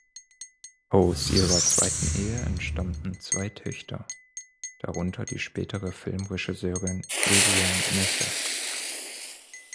Aus ihrer zweiten Ehe entstammten zwei Töchter, darunter die spätere Filmregisseurin Vivian Naefe.